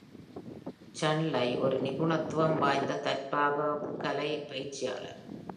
Chun-Li ஒரு நிபுணத்துவம் வாய்ந்த தற்காப்பு கலை பயிற்சியாளர்.